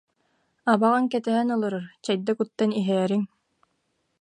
Абаҕаҥ кэтэһэн олорор, чэйдэ куттан иһээриҥ